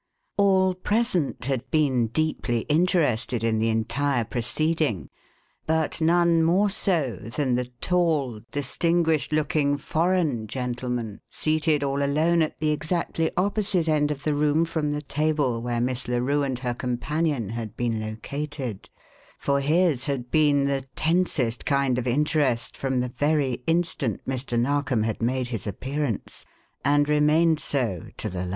All present had been deeply interested in the entire proceeding, but none more so than the tall, distinguished looking foreign gentleman seated all alone at the exactly opposite end of the room from the table where Miss Larue and her companion had been located; for his had been the tensest kind of interest from the very instant Mr. Narkom had made his appearance, and remained so to the last.